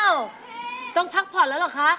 ต้องพักผ่อนแล้วเหรอคะ